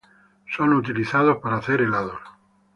Son utilizados para hacer helados.